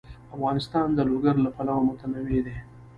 افغانستان د لوگر له پلوه متنوع دی.